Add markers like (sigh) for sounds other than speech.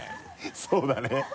そうだね (laughs)